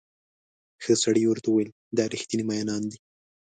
ښه سړي ورته وویل دا ریښتیني مئینان دي.